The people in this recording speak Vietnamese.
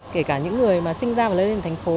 kể cả những người mà sinh ra và lớn lên thành phố